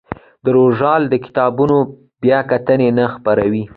دا ژورنال د کتابونو بیاکتنې نه خپروي.